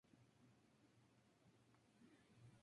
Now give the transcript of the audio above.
La capital de Granada, Saint George's está en esta parroquia.